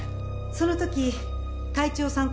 その時会長さん